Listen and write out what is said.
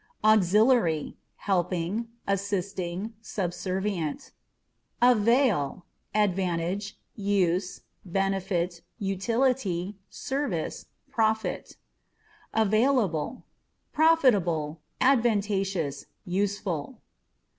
Auxiliary â€" helping, assisting, subservient. Avail â€" advantage, use, benefit, utility, service, profit. Available â€" profitable, advantageous, useful.